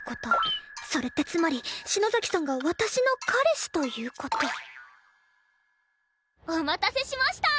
それってつまり篠崎さんが私の彼氏という事お待たせしましたー！